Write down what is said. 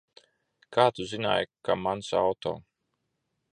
Kā tu zināji, ka mans auto?